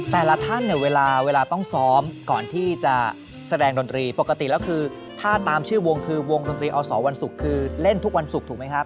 แต่ละท่านเนี่ยเวลาต้องซ้อมก่อนที่จะแสดงดนตรีปกติแล้วคือถ้าตามชื่อวงคือวงดนตรีอสวันศุกร์คือเล่นทุกวันศุกร์ถูกไหมครับ